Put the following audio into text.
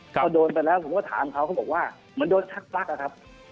เขาโดนไปแล้วผมก็ถามเขาก็บอกว่ามันโดนชักปลั๊กนะครับ